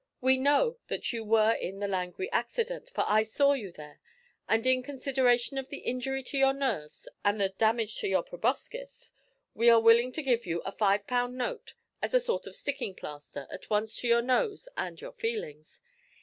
We know that you were in the Langrye accident, for I saw you there, and in consideration of the injury to your nerves and the damage to your proboscis, we are willing to give you a five pound note as a sort of sticking plaster at once to your nose and your feelings.